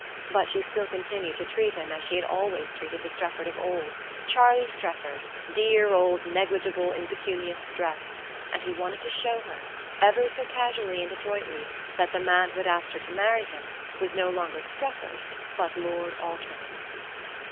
But she still continued to treat him as she had always treated the Strefford of old, Charlie Strefford, dear old negligible impecunious Streff; and he wanted to show her, ever so casually and adroitly, that the man who had asked her to marry him was no longer Strefford, but Lord Altringham.